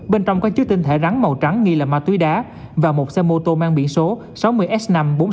bên trong có chứa tinh thể rắn màu trắng nghi là ma túy đá và một xe mô tô mang biển số sáu mươi s năm mươi bốn nghìn sáu trăm một mươi ba